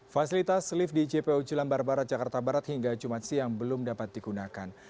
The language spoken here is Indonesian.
fasilitas lift di jpo jelambar barat jakarta barat hingga jumat siang belum dapat digunakan